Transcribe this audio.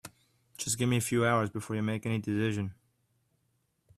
Just give me a few hours before you make any decisions.